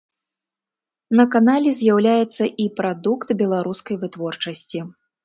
На канале з'яўляецца і прадукт беларускай вытворчасці.